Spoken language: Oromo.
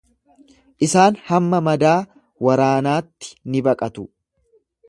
Isaan hamma madaa waraanaatti ni baqatu.